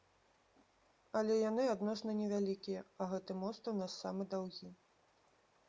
Але яны адносна невялікія, а гэты мост у нас самы даўгі.